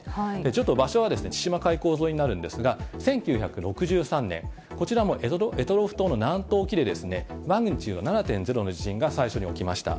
ちょっと場所は千島海溝沿いになるんですが、１９６３年、こちらも択捉島の南東沖で、マグニチュード７．０の地震が最初に起きました。